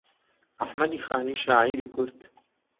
ئەحمەدی خانی شاعیری کورد